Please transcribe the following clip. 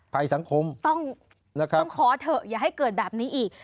ภัยสังคมต้องขอเถอะอย่าให้เกิดแบบนี้อีก